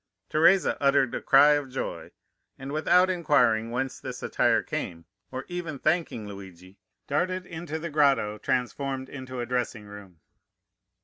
"Teresa uttered a cry of joy, and, without inquiring whence this attire came, or even thanking Luigi, darted into the grotto, transformed into a dressing room.